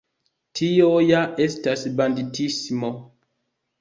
Tio ja estas banditismo!